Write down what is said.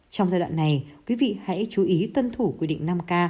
trong giai đoạn này quý vị hãy chú ý tuân thủ quy định năm k